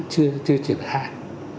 chưa triển khai